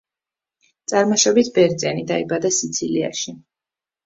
წარმოშობით ბერძენი დაიბადა სიცილიაში.